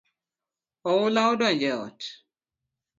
Oula odonjo e ot